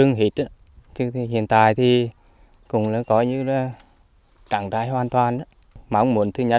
nhiều nhà hàng rừng ta đã thận được một số rừng